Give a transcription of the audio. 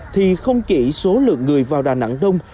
thì không chỉ số lượng người vào đà nẵng đông